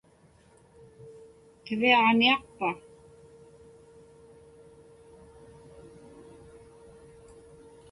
Qiviaġniaqpa?